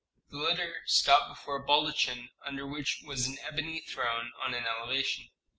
The litter stopped before a baldachin under which was an ebony throne on an elevation.